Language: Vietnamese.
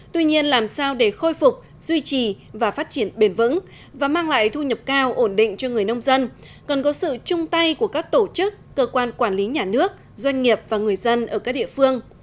tuy nhiên làm sao để khôi phục duy trì và phát triển bền vững và mang lại thu nhập cao ổn định cho người nông dân cần có sự chung tay của các tổ chức cơ quan quản lý nhà nước doanh nghiệp và người dân ở các địa phương